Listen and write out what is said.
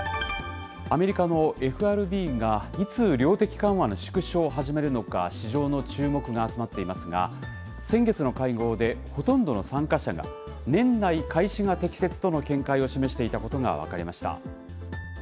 アメリカのＦＲＢがいつ量的緩和の縮小を始めるのか、市場の注目が集まっていますが、先月の会合で、ほとんどの参加者が、年内開始が適切との見解を示していたことが分かりました。